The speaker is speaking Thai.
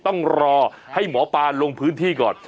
ต้องรอให้หมอปลาลงพื้นที่ก่อน